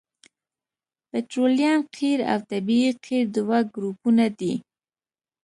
پطرولیم قیر او طبیعي قیر دوه ګروپونه دي